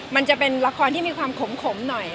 มันจะเป็นละครที่มีความขมหน่อย